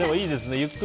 ゆっくり。